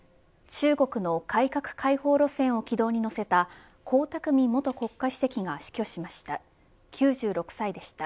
中国の改革開放路線を軌道に乗せた江沢民元国家主席が死去しました。